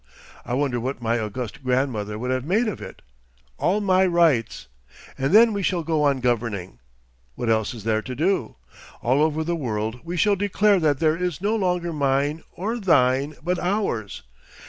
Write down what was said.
I wonder what my august grandmother would have made of it! All my rights! ... And then we shall go on governing. What else is there to do? All over the world we shall declare that there is no longer mine or thine, but ours.